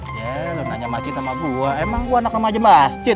ya lu nanya masjid sama gua emang gua anak nama aja masjid